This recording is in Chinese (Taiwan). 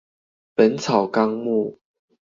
本草綱目